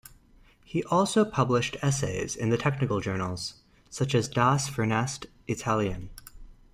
He also published essays in the technical journals, such as Das fernste Italien.